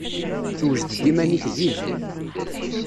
Sewjed-d iman-ik zik.